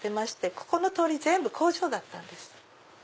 ここの通り全部工場だった。